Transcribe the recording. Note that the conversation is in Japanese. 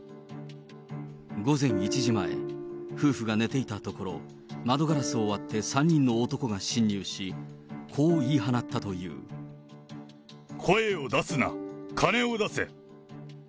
午前１時前、夫婦が寝ていたところ、窓ガラスを割って３人の男が侵入し、声を出すな、金を出せ。